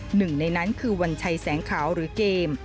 หนึ่งในนั้นคือวัญชัยแสงขาวหรือเกม